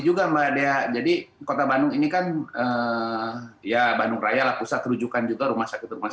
juga mbak dea jadi kota bandung ini kan ya bandung raya lah pusat rujukan juga rumah sakit rumah